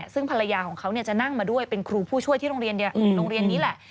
ซึ่งภรรยาของเขาจะนั่งมาด้วยเป็นครูผู้ช่วยที่โรงเรียนนี้แหละ